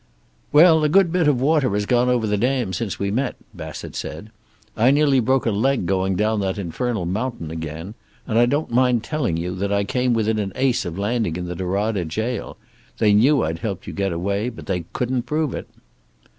"Well, a good bit of water has gone over the dam since we met," Bassett said. "I nearly broke a leg going down that infernal mountain again. And I don't mind telling you that I came within an ace of landing in the Norada jail. They knew I'd helped you get away. But they couldn't prove it."